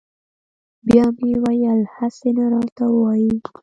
بیا مې ویل هسې نه راته ووایي.